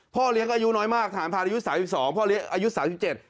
พ่อเลี้ยงอายุน้อยมากทหารผ่านอายุสามสิบสองพ่อเลี้ยงอายุสามสิบเจ็ด